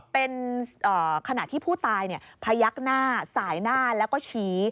เป็นขณะที่ผู้ตายพยักหน้าสายหน้าแล้วก็ชี้